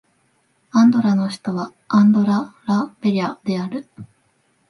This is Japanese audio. アンドラの首都はアンドラ・ラ・ベリャである